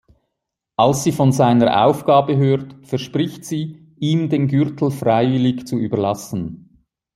Als sie von seiner Aufgabe hört, verspricht sie, ihm den Gürtel freiwillig zu überlassen.